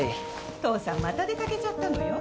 父さんまた出掛けちゃったのよ。